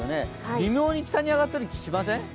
微妙に北に上がったような気がしません？